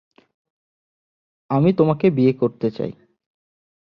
আমি তোমাকে বিয়ে করতে চাই।